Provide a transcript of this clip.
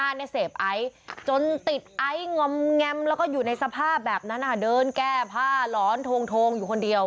จนติดไอ้งมแงมแล้วก็อยู่ในสภาพแบบนั้นเดินแก้ผ้าร้อนโทงอยู่คนเดียว